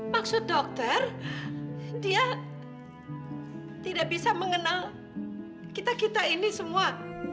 maksud dokter dia tidak bisa mengenal kita kita ini semua